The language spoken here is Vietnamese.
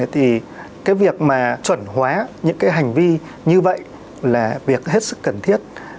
thì cái việc mà chuẩn hóa những cái hành vi như vậy là việc hết sức cần thiết